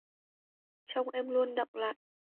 Trong em luôn đọng lại